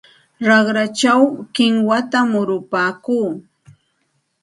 Raqrachaw kinwata murupaakuu.